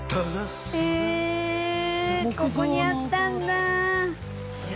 そこにあったんだ。